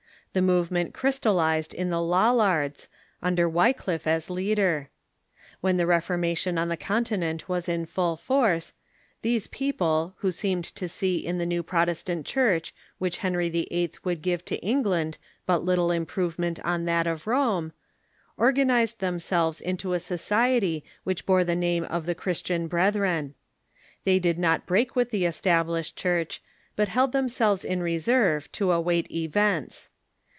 The movement crystallized in the Lollards, under Wycliffe as lead er. When the Reformation on the Continent was in ful.1 force, these people, who seemed to see in the new Protestant Church which Henry VIII. would give to England but little improve ment on that of Rome, organized themselves into a society which bore the name of the Christian Brethren. They did not break Avith the Established Church, but held themselves in THE ENGLISH PURITANS 297 reserve, to await events.